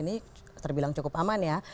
ini terbilang cukup aman ya